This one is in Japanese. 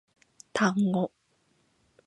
単語